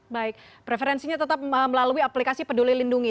baik preferensinya tetap melalui aplikasi peduli lindungi